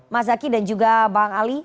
mas zaky dan juga bang ali